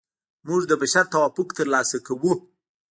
موږ د بشر توافق ترلاسه کوو.